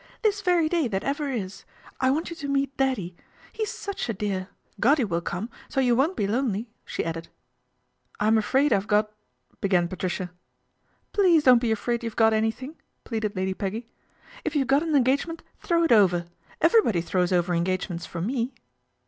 " This very day that ever is c I want you to meet Daddy. He's such a dear. Goddy will come, so you won't be lonely," she added. " I'm afraid I've got " began Patricia. " Please don't be afraid you've got anything," pleaded Lady Peggy. " If you've got an engage ment throw it over. Everybody throws over engagements for me."